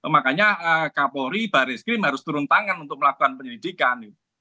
makanya kapolri baris krim harus turun tangan untuk melakukan penyelidikan